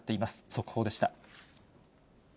速報でした。